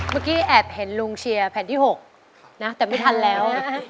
เมื่อกี้แอบเห็นลุงเชียร์แผ่นที่๖นะแต่ไม่ทันแล้ว